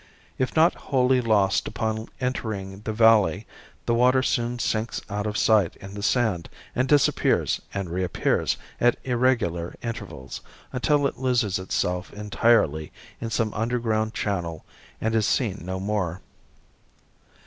If not wholly lost upon entering the valley the water soon sinks out of sight in the sand and disappears and reappears at irregular intervals, until it loses itself entirely in some underground channel and is seen no more.